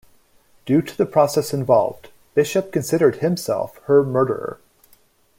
Due to the process involved, Bishop considered himself her murderer.